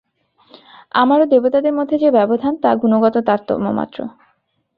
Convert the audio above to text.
আমার ও দেবতাদের মধ্যে যে ব্যবধান, তা গুণগত তারতম্য মাত্র।